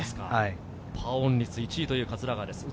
パーオン率１位の桂川です。